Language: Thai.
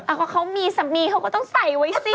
เอาค่ะเขามีสมียเขาก็ต้องใส่ไว้ซิ